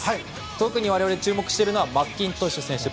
特に我々注目しているのはマッキントッシュ選手